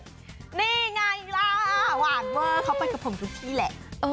นี่ไงล่ะหวานเวอร์เขาไปกับผมทุกที่แหละ